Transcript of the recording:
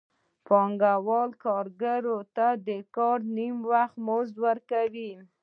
پانګوال کارګر ته د کار نیم وخت مزد ورکوي